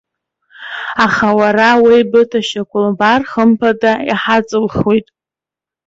Аха, уара уеибыҭашьақәа лбар, хымԥада иҳаҵылхуеит.